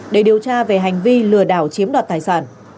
để điều tra về hành vi lừa đảo chiếm đoạt tài sản